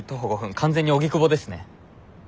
完全に荻窪ですね。